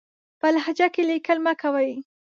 په لهجه کې ليکل مه کوئ!